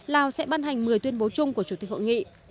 lào sẽ ban hành một mươi tuyên bố chung của chủ tịch hội nghị